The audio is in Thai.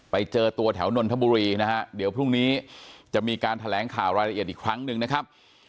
ไปเจอตัวแถวนนทบุรีนะฮะเดี๋ยวพรุ่งนี้จะมีการแถลงข่าวรายละเอียดอีกครั้งหนึ่งนะครับ